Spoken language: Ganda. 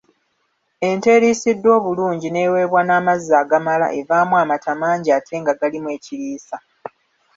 Ente eriisiddwa obulungi n’eweebwa n’amazzi agamala evaamu amata mangi ate nga galimu ekiriisa.